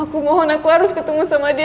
aku mohon aku harus ketemu sama dia